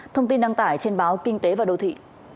thông tin đăng tải trên báo kinh tế và đô thị